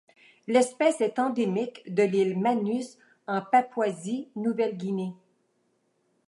L'espèce est endémique de l'île Manus en Papouasie-Nouvelle-Guinée.